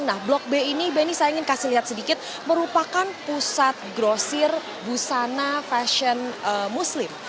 nah blok b ini benny saya ingin kasih lihat sedikit merupakan pusat grosir busana fashion muslim